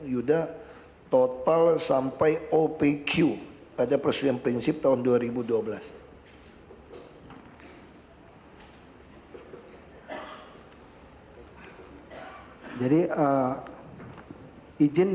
yuda total sampai opq ada persen prinsip tahun dua ribu dua belas hai hai hai hai hai jadi ah izin